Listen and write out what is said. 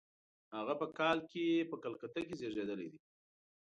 هغه په کال کې په کلکته کې زېږېدلی دی.